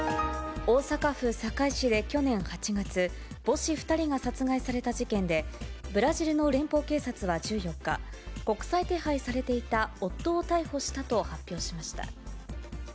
大阪府堺市で去年８月、母子２人が殺害された事件で、ブラジルの連邦警察は１４日、国際手配されていた夫を逮捕したと発表しました。